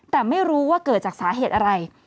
แต่ไม่รู้ว่าเกิดจากสาเหตุอะไร